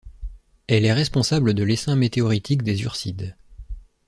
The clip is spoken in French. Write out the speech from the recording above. Elle est responsable de l'essaim météoritique des Ursides.